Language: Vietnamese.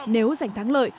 nếu giành thắng lợi